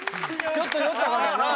ちょっと寄ったからやな。